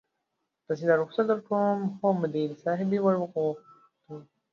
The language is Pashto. تاسې ته رخصت درکوم، خو مدیر صاحبې ور وغوښتو.